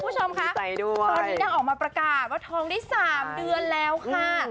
ตอนนี้อย่างออกมาประกาศว่าทองได้๓เดือนแล้วค่ะ